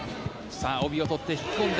帯を取って引き込んで